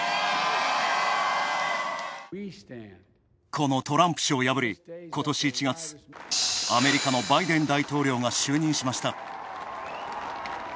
このトランプ氏を破り、ことし１月、アメリカのバイデン大統領が就任しました。